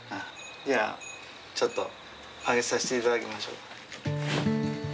じゃあちょっと上げさせていただきましょうか。